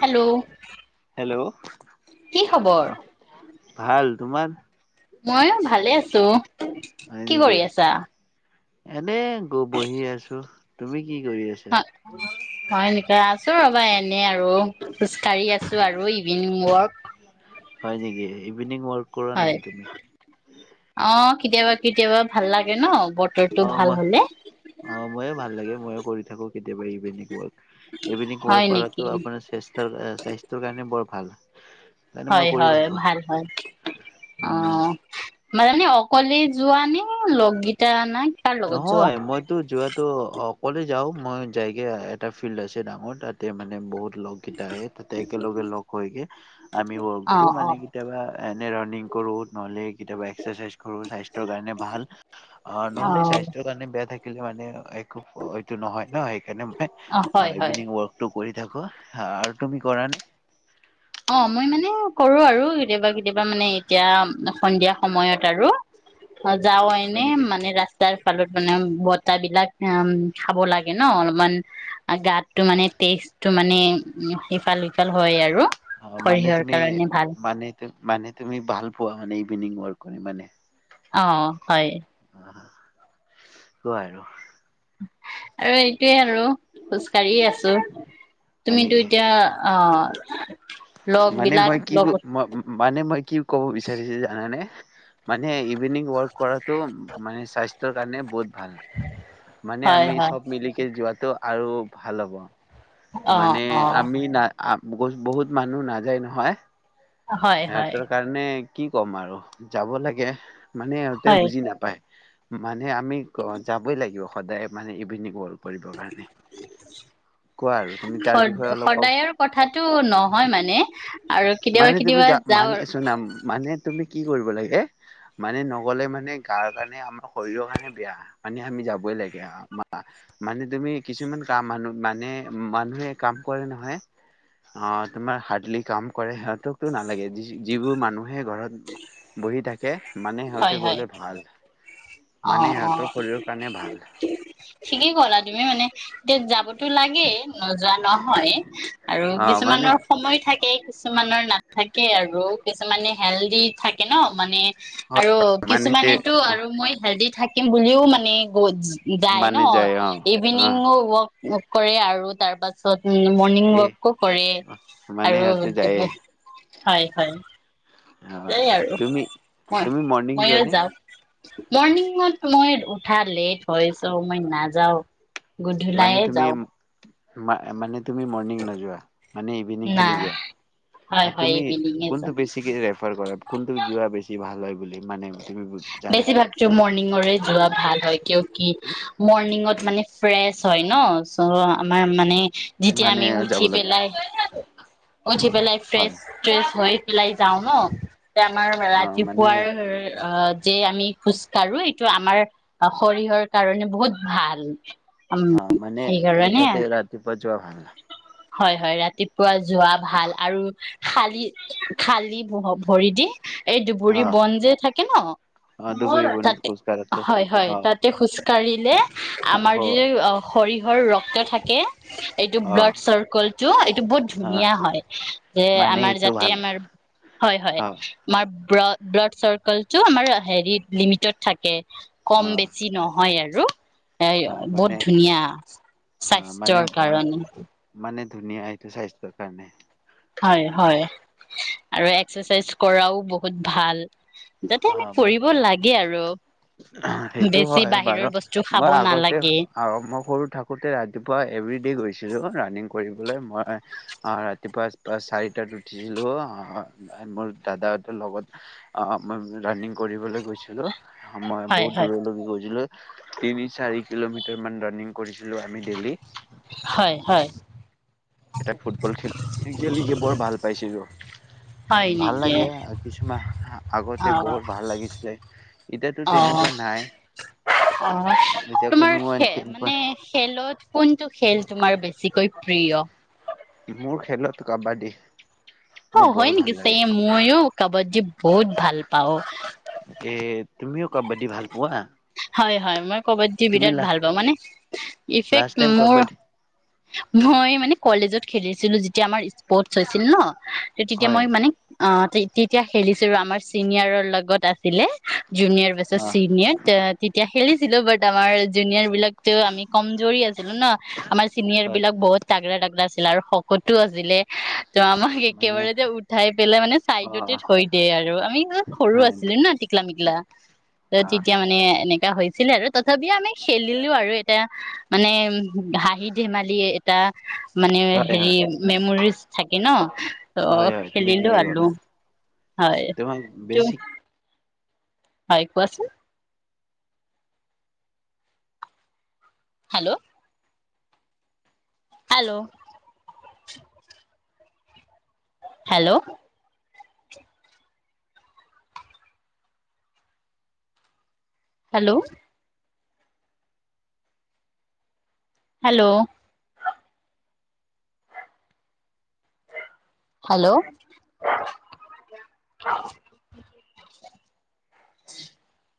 Hello. Hello অ কি খবৰ ভাল তোমাৰ ময়ো ভালে আছো। ত'। হয় কি নেকি কৰি আছা। এনে গ বহি আছো তুমি। কি কৰি আছা হ হয় নেকি আছো ৰবা এ। এনে আৰু খোজ কাঢ়ি আছো। আৰু ইভিনিং ৱৰ্ক। হয় নেকি ইভিনিং ৱৰ্ক। কৰা হয়, নেকি তুমি অহ। কেতিয়াবা কেতিয়াবা ভাল লাগে ন। বতৰটো অহ ভাল মই হলে অহ মইও ভাল লাগে। মইও কৰি থাকো কেতিয়াবা ইভিনিং ৱৰ্ক। ইভিনিং হয় ৱাৰ্ক নেকি কৰাটো আপোনাৰ স্বেস্থ স্বাস্থ্যৰ কাৰণে বৰ। ভাল। সেইকাৰণে মই হয় কৰি হয় থাকো ভাল হয়, উম অহ মানে অকলে যোৱা নে লগগিতা নাই নহয় মইতো যোৱাটো অ কলে যাওঁ মই যায়গে এটা ফিল্ড আছে ডাঙৰ তাতে মানে বহুত লগকিতা আহে তাতে একে লগে লগ হৈগে। আমি অ ৱাৰ্কটো অ মানে কেতিয়াবা এনে ৰানিং কৰো নহ'লে কেতিয়াবা এক্সাৰচাইজ কৰো স্বাস্থ্যৰ কাৰণে ভাল অ নহলে- স্বাস্থ্যৰ কাৰণে বেয়া থাক কিছুমানে মানে অহ এক ফ এক নহয় ন সেইকাৰণে অ মই হয় হয় ইভিনিং ৱাৰ্কটো কৰি থাকো। আৰু তুমি কৰা নে? অ মই মানে কৰো আৰু কেতিয়াবা কেতিয়াবা মানে এতিয়া সন্ধিয়া সময়ত আৰু আৰু যাও হয় এনে নেকি? মানে ৰাস্ত স্তাৰ ফালত মানে বতাহ বিলাক অম খাব লাগে ন অলপমান গাত সেইটো মানে টেষ্টটো মানে উ সেইফাল সিফাল হয় আৰু অ মানে সৰিয়হৰ তুমি কাৰণে ভাল মানে তু মানে তুমি ভাল পোৱা মানে ইভিনিং ৱাৰ্ক কৰি মানে অ হয় অহ, কোৱা আৰু আৰু এইটোৱে আৰু খোজ কাঢ়িয়ে আছ ছো হয় নেকি? তুমিতো এতিয়া অহ মানে মই কি ব ম মানে মই কি ক'ব বিচাৰিছো জানানে? মানে ইভিনিং ৱৰ্ক কৰাটো মানে স্বাস্থ্যৰ কাৰণে বহুত ভাল মানে হয় আমি হয় চব মিলিকে যোৱাত টো আৰু ভাল হ'ব অ মানে অ আমি না- আ বহুত বহুত মানুহ নাযায় নহয় হয় হয় সিহঁতৰ কাৰণে কি ক'ম আৰু যাব লাগে মানে সিহঁতে হয় বুজি নাপায় মানে আমি যাবই লাগিব সদায় মানে ইভিনিং ৱৰ্ক কৰিবৰ কাৰণে কোৱা আৰু তুমি স তাৰ বিষয়ে অলপ ক'ব সদায় আৰু কথাটো নহয় মানে আৰু কেতিয়াবা মানে তুমি কেতিয়াবা যা যাওঁ মানে চুনাম মানে তু- তুমি কি কৰিব লাগে মানে নগলে মানে গাৰ কাৰণে আমাৰ শৰীৰৰ কাৰণে বেয়া মানে আমি যাবই লাগে মানে তুমি কিছুমান কাম মানুহ মানে মানুহে কাম কৰে নহয় অ তোমাৰ হাৰ্ডলি কাম কৰে সিহঁতো- লাগে, যি যিবোৰ মানুহে ঘৰত বহি থাকে মানে হয় সিহঁতে হয় গ'লে ভাল। অ মানে অ, সিহঁতৰ শৰীৰৰ কাৰণে ভাল ঠিকেই কলা তুমি মানে, এতিয়া যাবতো লাগেই, নোযোৱা নহয় আৰু অ মানে কিছুমানৰ সময় থাকে কিছুমানৰ নাথ থাকে আৰু, কিছুমানে হেলডি থাকে ন? মানে হয় আৰু মানে তে কিছুমানেতো আৰু মই হেল্ডি থাকিম বুলিও মানে গ'জ যায় ন? মানে অ অ ইভিনিং ৱক কৰে আৰু তাৰ পাছত উ মৰ্ণিং এই ৱাকো কৰে, মানে আৰু সিহঁতে যায়ে হয় হয়। যায় অ', আৰু তুমি- মই তুমি মৰ্নিং ময়ো যোৱা নে? যাওঁ মৰ্ণিঙত মই উঠা লেট হৈছোঁ, মই নাযাওঁ। গধূলায়ে যাওঁ। মা মানে তুমি মৰ্ণিং নোযোৱা, মানে ইভিনিং না খালী হয় যোৱা। হয় তুমি ইভিনিঙে যা কোনটো বেছিকৈ ৰেফাৰ কৰা, কোনটো যোৱা বেছি ভাল হয়? দিব মানে তুমি জানা বেছিভাগতো মৰ্ণিঙৰে যোৱা ভাল হয়, কিয় কি, মৰ্ণিঙত মানে ফ্ৰেচ হয় ন? চ' আমাৰ মানে যেতিয়া মানে আমি যাব উঠি লাগে পেলাই উঠি পেলাই হয় ফ্ৰেছ ফ্ৰেছ হৈ পেলাই যাওঁ ন? আমাৰ অ মানে ৰাতিপুৱাৰ অ' যে আমি খোজ কাঢ়ো, এইটো আমাৰ শৰীহৰ কাৰণে বহুত ভাল। উম অ মানে সেইকাৰণে এটাতে ৰাতিপুৱা যোৱা ভাল। হয়- হয়, ৰাতিপ পুৱা যোৱা ভাল আৰু খালি, খালি ভ-ভৰি দি। এই অ দুবৰি বন যে থাক অ দুবুৰী [unintelligible] বনত তাতে, খোজ কঢ়াটো অ হয়-হয়, তাতে খোজকাঢ়িলে, আমাৰ অ যে শৰী হ‌ ৰক্ত থাকে। এইটো অ ব্লাড চাৰ্কলটো, এইটো বহুত অ ধুনীয়া হয়, যে মানে আমাৰ এইটো যাতে ভাল আমাৰ হয় হয় অ আমাৰ ব্লা ব্লাড চাৰ্কল য আমাৰ হেৰিত, লিমিটত থাকে। কম অ বেছি নহয় আৰু। [unintelligible] এ অ বহুত মানে ধুনীয়া, অ মানে স্বাস্থ্যৰ কাৰণে। মানে ধুনীয়া এইটো স্বাস্থ্যৰ কাৰণে। হয়, হয় আৰু এক্সেচাইজ কৰাও বহুত ভাল। যাতে অ আমি মানে কৰিব লাগে আৰু। সেইটো বেছি হয়, বাহিৰৰ বাৰু বস্তু খাব মই আগতে নালাগে আ মই সৰু থাকোতে ৰাতিপুৱা এভৰি ডে গৈছিলো ৰানিং কৰিবলৈ মই অ', ৰাতিপুৱা চাৰিটাত উঠিছিলোঁ অ', মোৰ দাদাহঁতৰ লগত অ', মই ৰাণিং কৰিবলৈ গৈছিলোঁ। মই হয় বহুত হয় দূৰলৈ গৈছিলো। তিনি, চাৰি কিলোমিটাৰ মান ৰানিং কৰিছিলো আমি ডেইলি হয়, হয়। এটা ফুটবল খেল খেলিক বৰ ভাল পাইছিলো। হয় ভাল নেকি লাগে কিছুমান আগতে অ বহুত ভাল লাগিছিলে, এতিয়াতো অ তেনেকুৱা নাই। অ এতিয়া তোমাৰ কোনো খে তেনেকুৱা মানে খেলত কোনটো খেল তোমাৰ বেছিকৈ প্ৰিয়। মোৰ খেলত কাবাডী। মোৰ অ', বৰ হয় ভাল নেকি? লাগে। চেইম ময়ো কাবাডি ডী বহুত ভাল পাওঁ। তাকে তুমিও কাবাডী ভাল পোৱা? হয়, হয়, মই কাবাডী তুমি বিৰাট লা ভাল পাওঁ মানে ইফেক্ট লাষ্ট টাইম মোৰ কাবাডী মই মানে কলেজত খেলিছিলো যেতিয়া আমাৰ ইস্পৰ্টচ হৈছিল ন। তেতিয়া হয় মই মানে অ', তেতিয়া খেলিছিলো আমাৰ চিনিয়ৰৰ লগত আছিলে। জুনিয়াৰ বছত অ চিনিয়ৰ ত তেতিয়া খেলিছিলো বাট আমাৰ জুনিয়ৰ বিলাকতো আমি কমজৰি আছিলো ন। চিনিয়ৰ হয় বিলাক বহতাগৰাগৰা আছিল আৰু শকতো আছিলে। ত আমাক মানে একেবাৰে যে উঠাই পেলাই মানে অ চাইডতে থৈ দিয় আৰু আমি সৰু হয় আছিলো ন ঠিকলামিক লা ত অ তেতিয়া মানে এনেকে হৈছিলে আৰু তথাপিও আমি খেলিলো আৰু এটা মানে উ হাঁহিত ধেমালি, এটা মানে হয় হেৰি হয় মেমৰিজ থাকে ন ত হয় হয় তুমি খেলিলো ঠিকেই আৰু ক'লা হয়। তোমাক টো বেছি হয় একোৱাচ-? Hello hello hello hello hello hello [unintelligible]